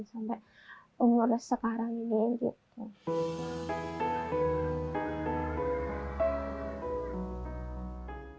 sampai umur sekarang ini gitu